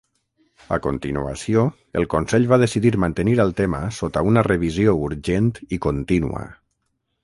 A continuació, el Consell va decidir mantenir el tema sota una revisió urgent i contínua.